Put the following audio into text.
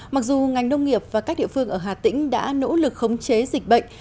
mặc dù ngành nông nghiệp và các địa phương ở hà tĩnh đã nỗ lực khống chế dịch bệnh